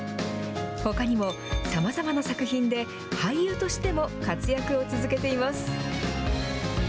ほかにもさまざまな作品で、俳優としても活躍を続けています。